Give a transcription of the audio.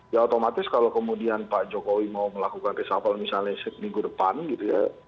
ya otomatis kalau kemudian pak jokowi mau melakukan reshuffle misalnya minggu depan gitu ya